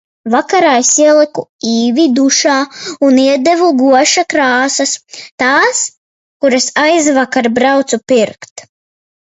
Vakarā es ieliku Īvi dušā un iedevu guaša krāsas. Tās, kuras aizvakar braucu pirkt.